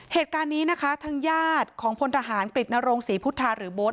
เหตุการณ์นี้นะคะทั้งยาดของพลธหานกฤทธิ์นโรงศีพุทธาหรือบโภษ